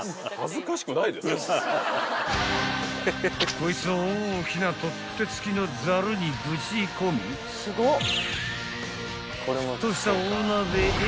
［こいつを大きな取っ手付きのザルにぶち込み沸騰した大鍋へ］